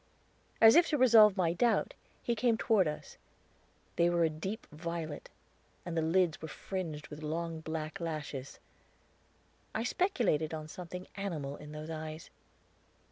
As if to resolve my doubt, he came toward us; they were a deep violet, and the lids were fringed with long black lashes. I speculated on something animal in those eyes.